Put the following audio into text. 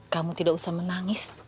kamu tidak usah menangis